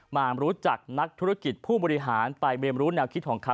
มารู้จักนักธุรกิจผู้บริหารไปเรียนรู้แนวคิดของเขา